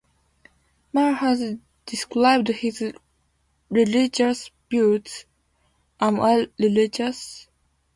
Marr has described his religious views: Am I religious?